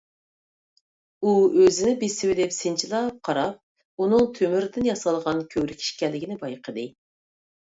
ئۇ ئۆزىنى بېسىۋېلىپ، سىنچىلاپ قاراپ، ئۇنىڭ تۆمۈردىن ياسالغان كۆۋرۈك ئىكەنلىكىنى بايقىدى.